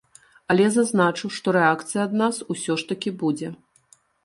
Але зазначу, што рэакцыя ад нас усё ж такі будзе.